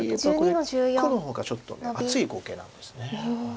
黒の方がちょっと厚い碁形なんです。